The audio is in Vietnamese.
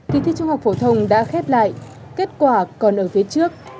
kỳ thi trung học phổ thông đã khép lại kết quả còn ở phía trước